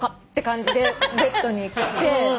って感じでベッドに来て。